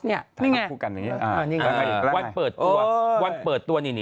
นี่ไงนี่ไงวันเปิดตัว